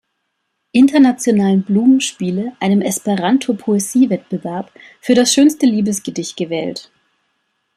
Internationalen Blumen-Spiele, einem Esperanto-Poesie-Wettbewerb, für das schönste Liebesgedicht gewählt.